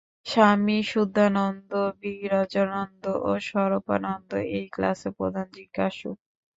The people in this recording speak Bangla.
স্বামী শুদ্ধানন্দ, বিরজানন্দ ও স্বরূপানন্দ এই ক্লাসে প্রধান জিজ্ঞাসু।